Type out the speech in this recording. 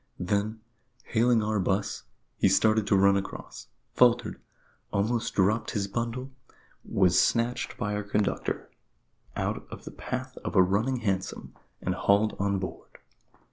Then, hailing our 'bus, he started to run across faltered almost dropped his bundle was snatched by our conductor out of the path of a running hansom, and hauled on board.